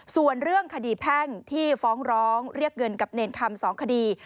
ส่วนเรื่องคดีแพ่งที่ฟ้องร้องเรียกเงินกับเนรคำ๒คดี